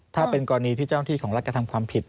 ถ้าเป็นกรณีที่เจ้าหน้าที่ของรัฐกระทำความผิด